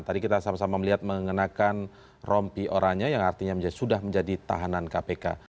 tadi kita sama sama melihat mengenakan rompi oranya yang artinya sudah menjadi tahanan kpk